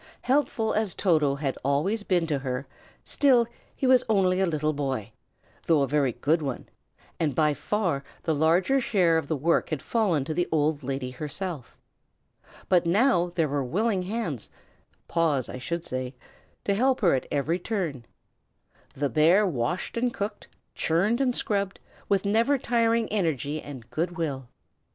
Helpful as Toto had always been to her, still, he was only a little boy, though a very good one; and by far the larger share of work had fallen to the old lady herself. But now there were willing hands paws, I should say to help her at every turn. The bear washed and cooked, churned and scrubbed, with never tiring energy and good will.